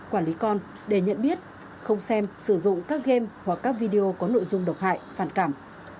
quản lý con để nhận biết không xem sử dụng các game hoặc các video có nội dung độc hại phản cảm